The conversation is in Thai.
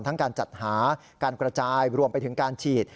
การจัดหาการกระจายรวมไปถึงการฉีด